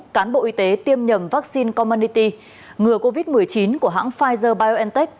cán bộ y tế tiêm nhầm vaccine comanity ngừa covid một mươi chín của hãng pfizer biontech